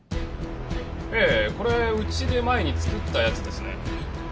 ええこれうちで前に作ったやつですね。